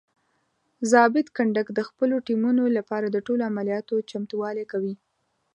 ضابط کنډک د خپلو ټیمونو لپاره د ټولو عملیاتو چمتووالی کوي.